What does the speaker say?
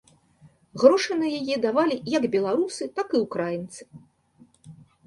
Грошы на яе давалі як беларусы, так і ўкраінцы.